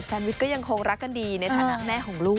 เอ้อแซนวิชก็ยังคงรักกันดีในฐะนะแม่ของลูก